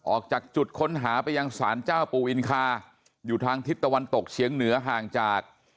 ออกจากจุดค้นหาไปยังสารเจ้าปูอินคาอยู่ทางทิศตะวันตกเฉียงเหนือห่างจาก